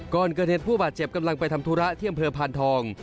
ก่อนเกิดเหตุผู้บาดเจ็บกำลังไปทำธุระที่อำเภอพานทอง